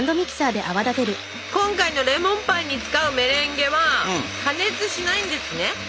今回のレモンパイに使うメレンゲは加熱しないんですね。